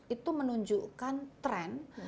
itu menunjukkan tren